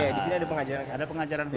ada pengajaran khusus